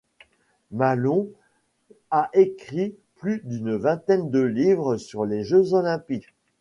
Mallon a écrit plus d’une vingtaine de livres sur les Jeux olympiques.